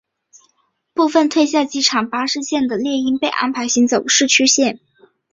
部份退下机场巴士线的猎鹰被安排行走市区线。